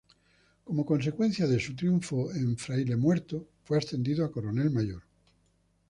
Como consecuencia de su triunfo en Fraile Muerto, fue ascendido a coronel mayor.